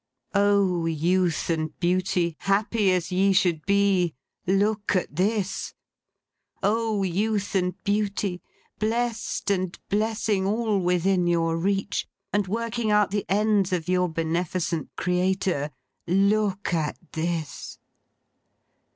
O Youth and Beauty, happy as ye should be, look at this. O Youth and Beauty, blest and blessing all within your reach, and working out the ends of your Beneficent Creator, look at this!